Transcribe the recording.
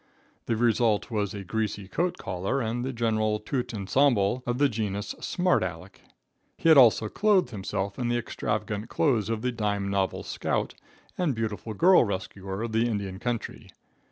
The result was a greasy coat collar and the general tout ensemble of the genus "smart Aleck." He had also clothed himself in the extravagant clothes of the dime novel scout and beautiful girl rescuer of the Indian country.